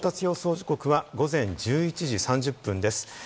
時刻は午前１１時３０分です。